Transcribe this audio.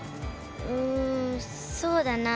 うんそうだな。